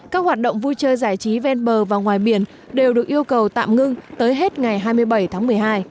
các hoạt động vui chơi giải trí ven bờ và ngoài biển đều được yêu cầu tạm ngưng tới hết ngày hai mươi bảy tháng một mươi hai